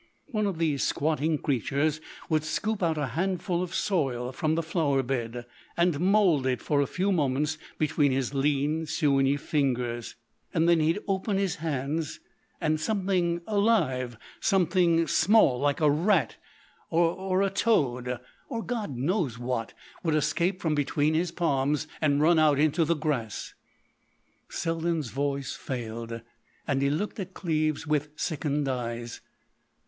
One of these squatting creatures would scoop out a handful of soil from the flower bed, and mould it for a few moments between his lean, sinewy fingers, and then he'd open his hands and—and something alive—something small like a rat or a toad, or God knows what, would escape from between his palms and run out into the grass——" Selden's voice failed and he looked at Cleves with sickened eyes.